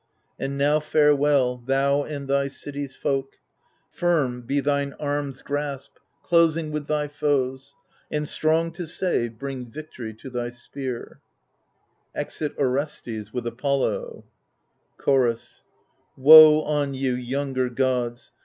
And now farewell, thou and thy city's folk — Firm be thine arms' grasp, closing with thy foes, And, strong to save, bring victory to thy spear, \Exit Orestes^ with Apollo, Chorus Woe on you, younger gods